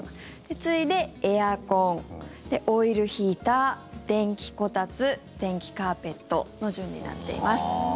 次いで、エアコンオイルヒーター、電気こたつ電気カーペットの順になっています。